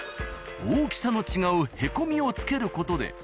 大きさの違うへこみをつける事で。